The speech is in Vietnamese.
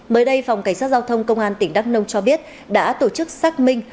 mới đây phòng cảnh sát giao thông công an tỉnh đắk nông cho biết đã tổ chức xác minh